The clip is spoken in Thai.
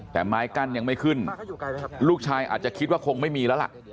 แต่ไม้กั้นยังไม่ขึ้นลูกชายอาจจะคิดว่าคงไม่มีแล้วล่ะ